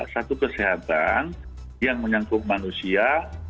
satu kesehatan yang menyangkut manusia